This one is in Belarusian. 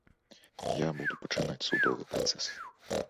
Я буду пачынаць судовы працэс.